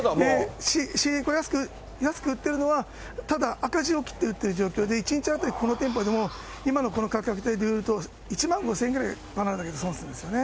仕入れて安く売ってるのは、ただ赤字を切って売ってる状況で、１日当たり、この店舗でも、今のこの価格帯でいうと、１万５０００円ぐらいバナナだけで損するんですよね。